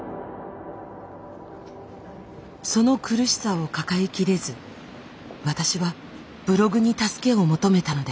その苦しさを抱えきれず私はブログに助けを求めたのです。